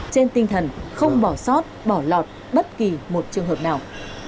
trên tinh thần không bỏ sót bỏ lọt bất kỳ một trường hợp nào